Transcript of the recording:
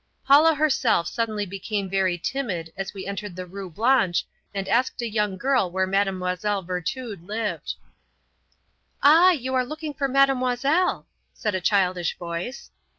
Paula herself suddenly became very timid as we entered the Rue Blanche and asked a young girl where Mlle. Virtud lived. "Ah, you are looking for Mademoiselle," said a childish voice.